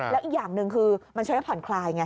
แล้วอีกอย่างหนึ่งคือมันช่วยให้ผ่อนคลายไง